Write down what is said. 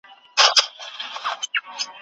نه مُلا یې سو حاضر و جنازې ته